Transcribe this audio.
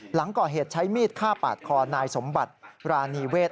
หลังก่อเหตุใช้มีดฆ่าปาดคอนายสมบัติรานีเวท